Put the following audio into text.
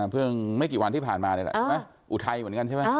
ไม่กี่วันที่ผ่านมานี่แหละอุทัยเหมือนกันใช่ไหม